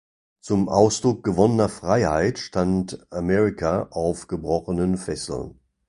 Zum Ausdruck gewonnener Freiheit stand "America" auf gebrochenen Fesseln.